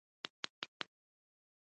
متلونه د کولتور یوه برخه ده